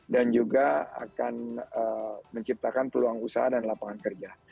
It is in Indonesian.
dan juga akan menciptakan peluang usaha dan lapangan kerja